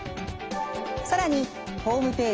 更にホームページ